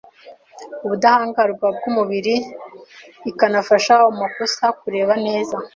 ubudahangarwa bw’umubiri ikanafasha amaso kureba neza